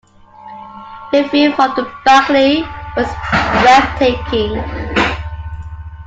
The view from the balcony was breathtaking.